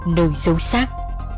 nơi xấu xác